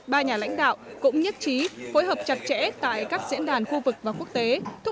ba nhà lãnh đạo cũng nhất trí phối hợp chặt chẽ tại các diễn đàn khu vực và quốc tế